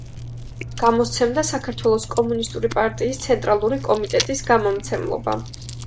გამოსცემდა საქართველოს კომუნისტური პარტიის ცენტრალური კომიტეტის გამომცემლობა.